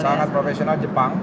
sangat profesional jepang